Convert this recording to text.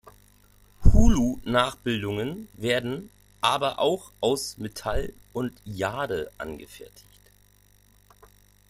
Hulu-Nachbildungen werden aber auch aus Metall und Jade angefertigt.